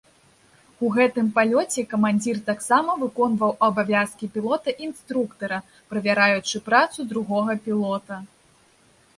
У гэтым палёце камандзір таксама выконваў абавязкі пілота-інструктара, правяраючы працу другога пілота.